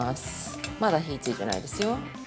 まだ火ついてないですよ。